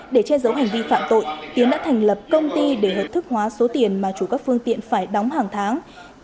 để che giấu hành vi phạm tội tiến đã thành lập công ty để hợp thức hóa số tiền mà chủ các phương tiện phải đóng hàng tháng